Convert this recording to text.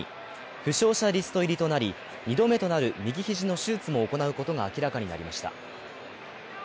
負傷者リスト入りとなり２度目となる右肘の手術も行うことが明らかになりました。